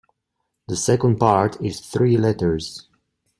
The second part is three letters.